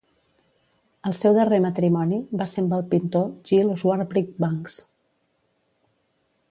El seu darrer matrimoni va ser amb el pintor Jill Swarbrick-Banks.